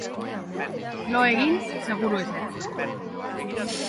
Lo egin, seguru ezetz!